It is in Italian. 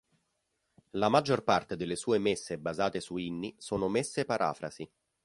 La maggior parte delle sue messe basate su inni sono messe parafrasi.